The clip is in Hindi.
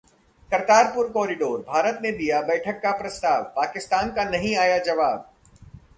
करतारपुर कॉरिडोर: भारत ने दिया बैठक का प्रस्ताव, पाकिस्तान का नहीं आया जवाब